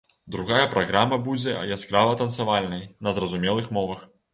Другая праграма будзе яскрава-танцавальнай на зразумелых мовах.